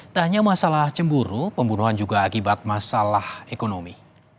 tak hanya masalah cemburu pembunuhan juga akibat masalah ekonomi